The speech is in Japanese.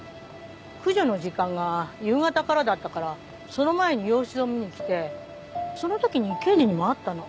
駆除の時間が夕方からだったからその前に様子を見に来てその時に刑事にも会ったの。